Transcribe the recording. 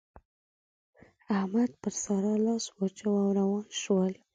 احمد پر سارا لاس واچاوو او روان شول.